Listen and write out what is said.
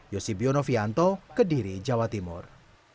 yosibionov yanto kediri jawa timur